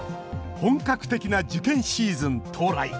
本格的な受験シーズン到来！